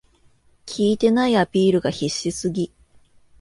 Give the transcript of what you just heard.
効いてないアピールが必死すぎ